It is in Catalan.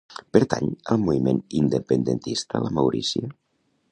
Pertany al moviment independentista la Mauricia?